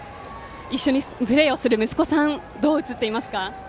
一緒にプレーする息子さんどう映っていますか？